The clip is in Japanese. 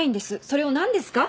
それを何ですか？